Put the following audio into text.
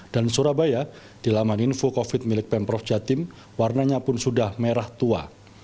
dan surabaya di laman info covid milik pemprov jatim warnanya pun sudah merah tua